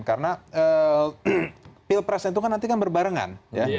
karena pilpres itu kan nanti kan berbarengan